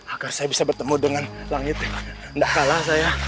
agar saya bisa bertemu dengan langit tidak kalah saya